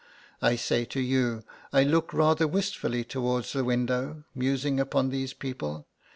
I say to you, I look rather wistfully towards the window, musing upon these people.